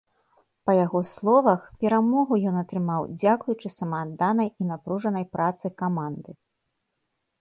Па яго словах, перамогу ён атрымаў дзякуючы самаадданай і напружанай працы каманды.